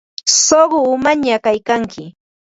Suqu umañaq kaykanki.